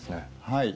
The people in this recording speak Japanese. はい。